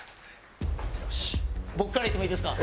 僕からいってもいいですか。